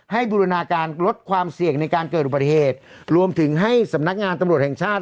บูรณาการลดความเสี่ยงในการเกิดอุบัติเหตุรวมถึงให้สำนักงานตำรวจแห่งชาติ